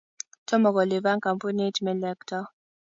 Tomo koliban kampunit melekto